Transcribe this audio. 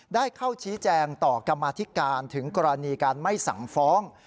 ได้เข้าชี้แจงต่อกรรมาธิการถึงกรณีการไม่สั่งฟ้อง